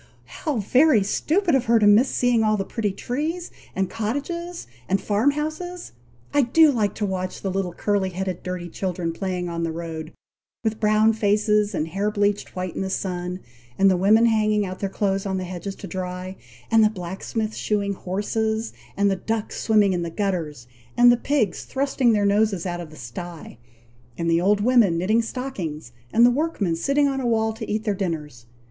"How very stupid of her to miss seeing all the pretty trees, and cottages, and farm houses! I do like to watch the little curly headed, dirty children, playing on the road, with brown faces, and hair bleached white in the sun; and the women hanging out their clothes on the hedges to dry; and the blacksmith shoeing horses, and the ducks swimming in the gutters, and the pigs thrusting their noses out of the sty, and the old women knitting stockings, and the workmen sitting on a wall to eat their dinners!